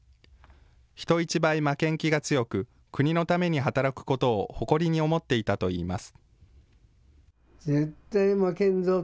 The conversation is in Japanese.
人一倍負けん気が強く、国のために働くことを誇りに思っていたといいます。